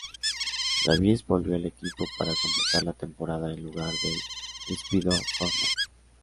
Davies volvió al equipo para completar la temporada en lugar del despedido Hofmann.